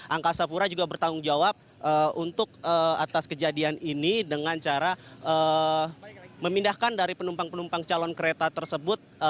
angkasa pura juga bertanggung jawab untuk atas kejadian ini dengan cara memindahkan dari penumpang penumpang calon kereta tersebut